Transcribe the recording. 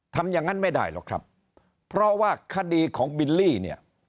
ทำอย่างนั้นไม่ได้หรอกครับเพราะว่าคดีของบิลลี่เนี่ย